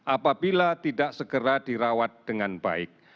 apabila tidak segera dirawat dengan baik